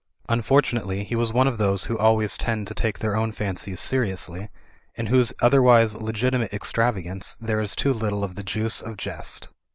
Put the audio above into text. Unfortunately, he was one of those who always tend to take their own fancies seriously, and in whose otherwise legitimate extravagance there is 166 CREATURE IHAT MAN FORGETS 167 too little of the juice of jest.